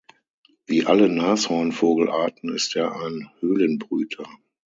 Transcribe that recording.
Wie alle Nashornvogelarten ist er ein Höhlenbrüter.